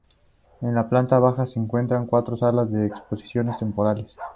En la planta baja se encuentran cuatro salas de exposiciones temporales.